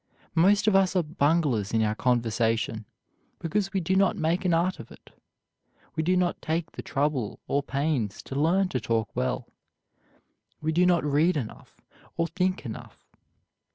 Most of us are bunglers in our conversation, because we do not make an art of it; we do not take the trouble or pains to learn to talk well. We do not read enough or think enough.